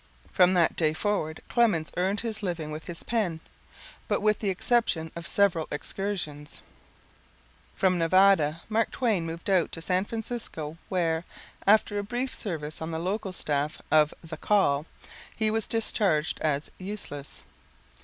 From that day forward Clemens earned his living with his pen, but with the exception of several excursions [text unreadable]. From Nevada, Mark Twain moved out to San Francisco where, after a brief service on the local staff of The Call, he was discharged as useless.